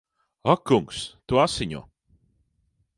Ak kungs! Tu asiņo!